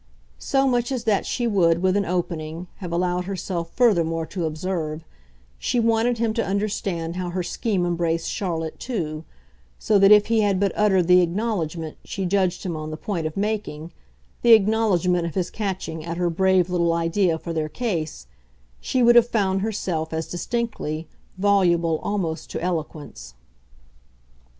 So much as that she would, with an opening, have allowed herself furthermore to observe; she wanted him to understand how her scheme embraced Charlotte too; so that if he had but uttered the acknowledgment she judged him on the point of making the acknowledgment of his catching at her brave little idea for their case she would have found herself, as distinctly, voluble almost to eloquence.